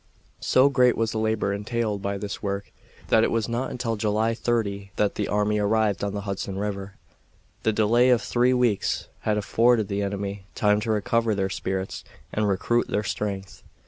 So great was the labor entailed by this work that it was not until July 30 that the army arrived on the Hudson River. The delay of three weeks had afforded the enemy time to recover their spirits and recruit their strength.